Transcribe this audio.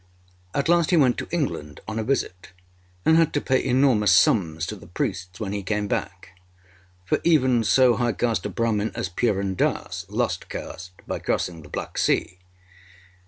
At last he went to England on a visit, and had to pay enormous sums to the priests when he came back; for even so high caste a Brahmin as Purun Dass lost caste by crossing the black sea.